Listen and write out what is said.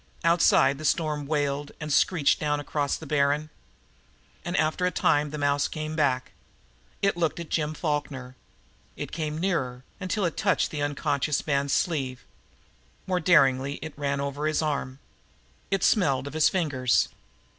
Outside the storm wailed and screeched down across the Barren. And after a time the mouse came back. It looked at Jim Falkner. It came nearer, until it touched the unconscious man's sleeve. More daringly it ran over his arm. It smelled of his fingers.